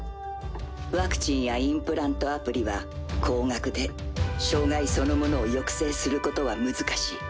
ワクチンやインプラント・アプリは高額で障害そのものを抑制することは難しい。